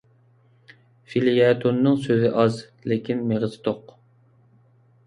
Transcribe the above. فېليەتوننىڭ سۆزى ئاز، لېكىن مېغىزى توق.